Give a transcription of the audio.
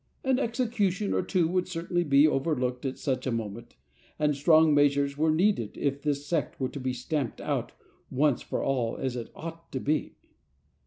An execution or two would certainly be over looked at such a moment, and strong measures were needed if this sect were to be stamped out once for all as it ought to be.